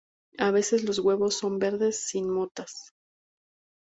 A veces los huevos son verdes sin motas.